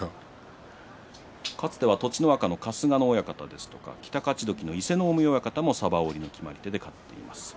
かつては春日野親方ですが北勝鬨の伊勢ノ海親方も、さば折りの決まり手で勝っています。